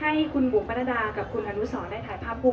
ให้คุณบุคปนดาและคุณอนุโสร